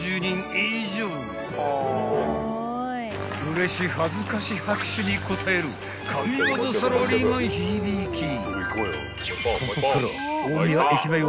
［うれし恥ずかし拍手に応える神ワザサラリーマンヒビキ］